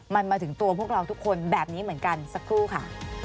มันมาถึงตัวพวกเราทุกคนแบบนี้เหมือนกันสักครู่ค่ะ